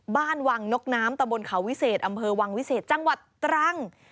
บ้านวังนกน้ำตะบนเขาวิเศษอำเภอวังวิเศษจังหวัดตรัง